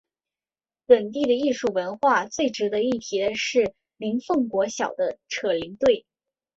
本地的艺术文化最值得一提的是林凤国小的扯铃队。